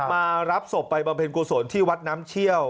มารับศพไปบำเพ็ญกุศลที่วัดน้ำเชี่ยว